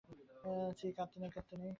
ছি কাঁদতে নেই।